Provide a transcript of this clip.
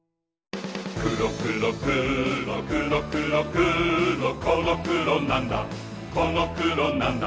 くろくろくろくろくろくろこのくろなんだこのくろなんだ